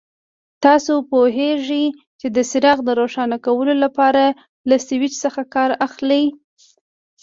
تاسو پوهېږئ چې د څراغ د روښانه کولو لپاره له سویچ څخه کار اخلي.